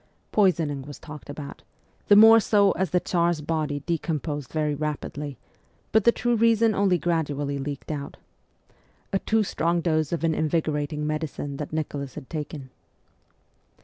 Poisoning was talked about, the more so as the Tsar's body decomposed very rapidly, but the true reason only gradually leaked out : a too strong dose of an invigorating medicine that Nicholas had taken.